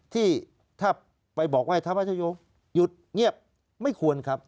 ที่ถ้าไปบอกว่าธรรมชโยหยุดเงียบไม่ควรครับ